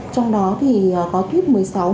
trong đó thì có tuyết một mươi sáu một mươi tám